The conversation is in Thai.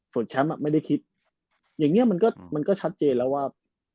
ส่วนแชมป์อ่ะไม่ได้คิดอย่างเงี้ยมันก็มันก็ชัดเจนแล้วว่า